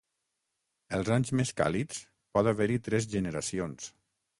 Els anys més càlids pot haver-hi tres generacions.